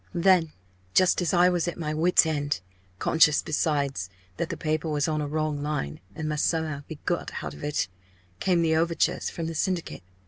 "Then just as I was at my wit's end, conscious besides that the paper was on a wrong line, and must somehow be got out of it came the overtures from the Syndicate.